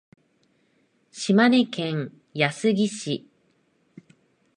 島根県安来市